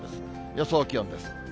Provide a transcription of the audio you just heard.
予想気温です。